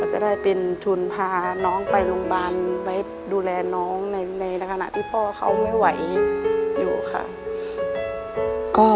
จะได้เป็นทุนพาน้องไปโรงพยาบาลไว้ดูแลน้องในขณะที่พ่อเขาไม่ไหวอยู่ค่ะ